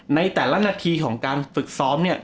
ในแต่ละนาทีของการฝึกซ้อมเนี่ย